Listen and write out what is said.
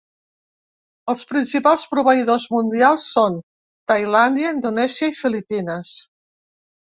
Els principals proveïdors mundials són Tailàndia, Indonèsia i Filipines.